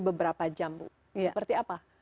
beberapa jam seperti apa